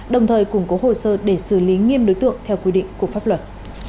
đồng thời củng cố hồ sơ để xử lý nghiêm đối tượng theo quy định của pháp luật